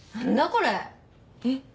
これえっ？